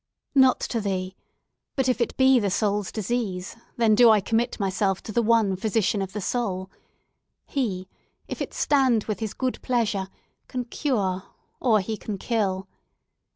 "Not to thee! But, if it be the soul's disease, then do I commit myself to the one Physician of the soul! He, if it stand with His good pleasure, can cure, or he can kill.